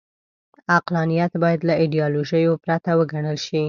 عقلانیت باید له ایډیالوژیو پورته وګڼل شي.